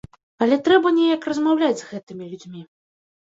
Але трэба неяк размаўляць з гэтымі людзьмі.